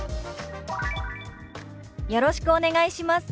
「よろしくお願いします」。